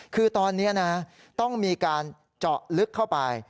คือตอนนี้นะต้องมีการเจาะลึกเข้าไป